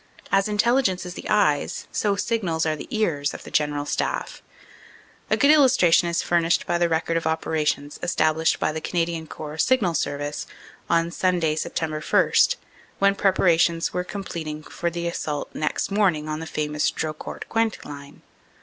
As Intelligence is the eyes, so Signals are the ears of the General Staff. A good illustration is furnished by the 346 CANADA S HUNDRED DAYS record of operations established by the Canadian Corps Signal Service on Sunday, Sept. 1, when preparations were complet ing for the assault next morning on the famous Drocourt Queant line.